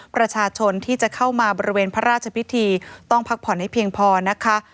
ประชาชนที่จะเข้ามาบริเวณพระราชพิธีต้องพักผ่อนให้เพียงพอนะคะ